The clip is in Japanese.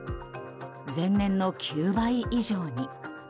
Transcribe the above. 前年の９倍以上に。